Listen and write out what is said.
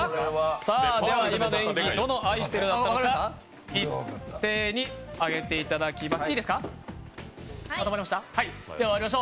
どの「愛してるよ」だったのか一斉に上げていただきます。